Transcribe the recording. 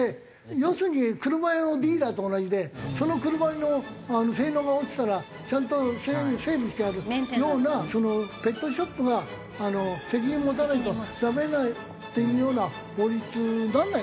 要するに車屋のディーラーと同じでその車の性能が落ちたらちゃんと整備してやるようなペットショップが責任持たないとダメだっていうような法律にならないかね。